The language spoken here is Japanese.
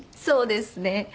そうですね。